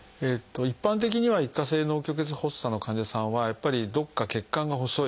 一般的には一過性脳虚血発作の患者さんはやっぱりどこか血管が細い。